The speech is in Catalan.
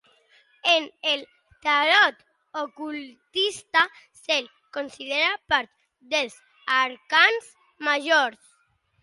En el tarot ocultista se’l considera part dels Arcans majors.